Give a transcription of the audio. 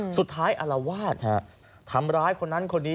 สุดท้ายอรใชถามร้ายคนนั้นคนนี้